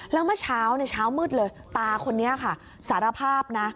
แล้วเมื่อเช้าเช้ามืดเลยตาคนนี้ค่ะสารภาพนะ